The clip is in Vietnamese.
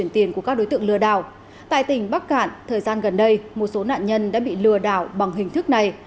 tại tỉnh bắc cạn thời gian gần đây một số nạn nhân đã bị lừa đảo bằng hình thức này